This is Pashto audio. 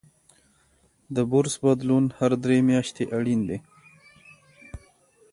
د برس بدلون هر درې میاشتې اړین دی.